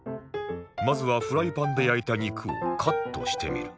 まずはフライパンで焼いた肉をカットしてみる